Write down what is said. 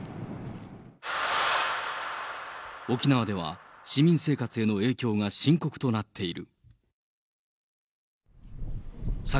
沖縄では市民生活への影響が深刻となっている。